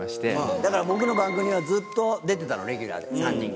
だから僕の番組はずっと出てたのレギュラーで３人が。